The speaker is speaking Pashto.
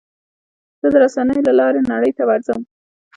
زه د رسنیو له لارې نړۍ ته ورځم.